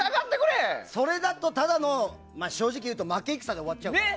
それだとただの正直言うと負け戦で終わっちゃう。